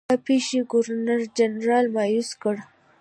دا پیښې ګورنرجنرال مأیوس کړ.